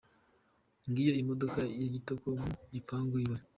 Ngiyo imdoka ya Kitoko mu gipangu iwe.